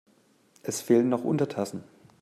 Es fehlen noch Untertassen.